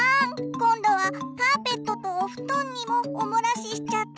今度はカーペットとお布団にもおもらししちゃった。